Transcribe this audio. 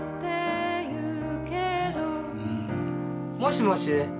もしもし。